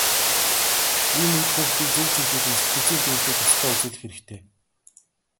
Ийм үед хүүхдийг зөв чиглүүлэн сэтгэл зүйн дэмжлэг туслалцаа үзүүлэх хэрэгтэй.